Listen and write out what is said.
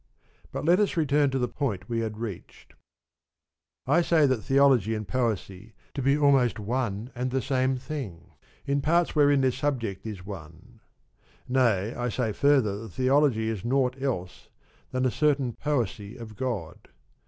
But let us return to the point we had reached. I say that Theology and Poesy may be considered to be almost one and the same thing, in such parts wherein their subject Is one ; nay, I say further that Theology is naught else than a certain Poesy of God.